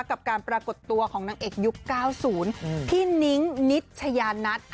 กับการปรากฏตัวของนางเอกยุค๙๐พี่นิ้งนิชยานัท